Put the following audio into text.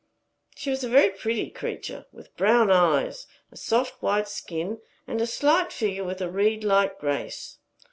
She was a very pretty creature, with brown eyes, a soft white skin, and a slight figure with a reed like grace.